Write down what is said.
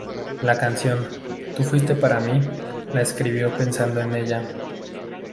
La canción "Tú Fuiste Para Mí" la escribió pensando en ella.